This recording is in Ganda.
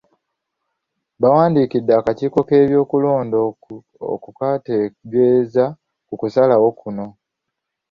Baawandikidde akakiiko k'ebyokulonda okukategeeza ku kusalawo kuno.